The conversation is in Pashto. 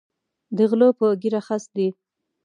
د غلۀ پۀ ږیره خس دی